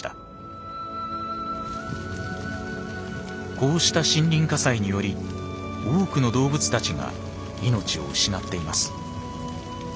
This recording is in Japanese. こうした森林火災により多くの動物たちが命を失っています。